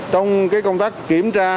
trong công tác kiểm tra